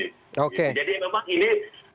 jadi memang ini